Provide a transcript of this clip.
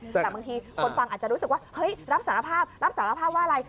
แต่บางทีคนฟังอาจจะรู้สึกว่ารับสารภาพว่าอะไร